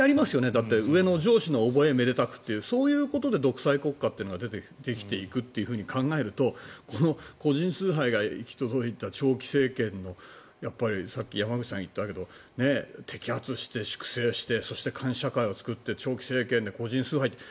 だって上の上司のおぼえめでたくというそういうことで独裁国家というのができていくと考えると個人崇拝が行き届いた長期政権のさっき山口さんが言ったけど摘発して粛清して監視社会を作って長期政権で個人崇拝。